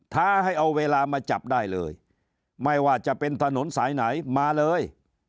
ท้าให้เอาเวลามาจับได้เลยไม่ว่าจะเป็นถนนสายไหนมาเลย